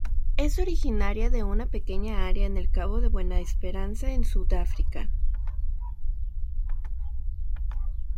Es originaria de una pequeña área en el Cabo de Buena Esperanza en Sudáfrica.